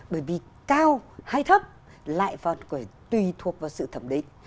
bởi vì cao hay thấp lại còn tùy thuộc vào sự thẩm định